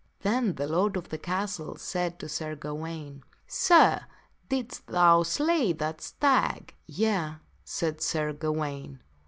Then the lord of that castle said to Sir Gawaine, " Sir, didst thou slay that stag?" "Yea," said Sir Gawaine.